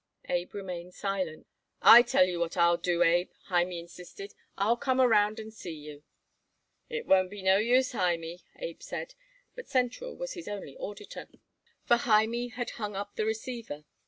Abe remained silent. "I tell you what I'll do, Abe," Hymie insisted; "I'll come around and see you." "It won't be no use, Hymie," Abe said, but Central was his only auditor, for Hymie had hung up the receiver.